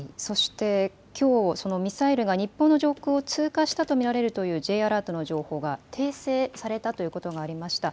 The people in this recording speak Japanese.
きょうミサイルが日本の上空を通過したと見られるＪアラートの情報が訂正されたということがありました。